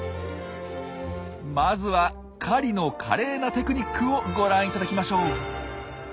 まずは狩りの華麗なテクニックをご覧いただきましょう。